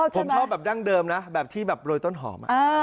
ผมชอบแบบดั้งเดิมนะแบบที่แบบโรยต้นหอม